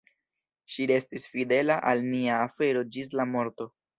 Ŝi restis fidela al nia afero ĝis la morto.